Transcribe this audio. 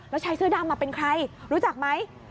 แล้วชายเสื้อดำเป็นใครรู้จักไหม